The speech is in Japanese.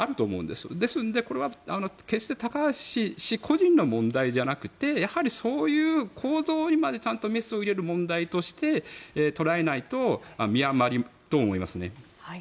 ですので、これは決して高橋氏個人の問題じゃなくてやはり、そういう構造にメスを入れる問題として捉えないと見誤ると思います。